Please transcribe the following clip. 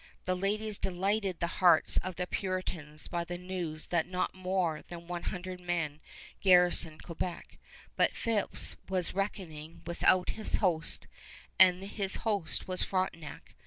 The ladies delighted the hearts of the Puritans by the news that not more than one hundred men garrisoned Quebec; but Phips was reckoning without his host, and his host was Frontenac.